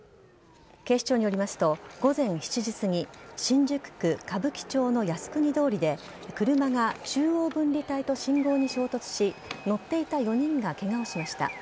警視庁によりますと午前７時すぎ新宿区歌舞伎町の靖国通りで車が中央分離帯と信号に衝突し乗っていた４人がケガをしました。